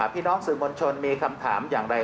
พี่น้องสื่อมวลชนมีคำถามอย่างไร